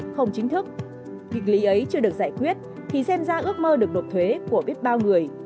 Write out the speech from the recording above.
không chính thức nghịch lý ấy chưa được giải quyết thì xem ra ước mơ được nộp thuế của biết bao người